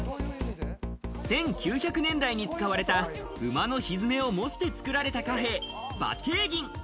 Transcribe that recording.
１９００年代に使われた馬の蹄を模して作られた貨幣、馬蹄銀。